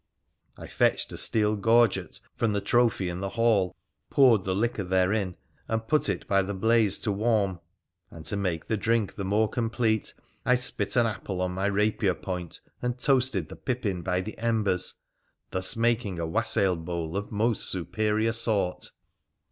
I fetched a steel gorget from the trophy in the hall, poured the liquor therein, and put it by the blaze to warm. And to make the drink the more complete I spit an apple on my rapier point and toasted the pippin by the embers, thus making a wassail bowl of most superior sort.